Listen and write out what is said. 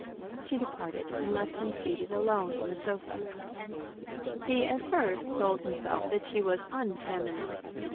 She departed, and left him seated alone on the sofa. He at first told himself that she was unfeminine.